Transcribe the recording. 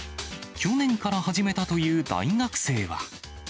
去年から始めたという大学生は。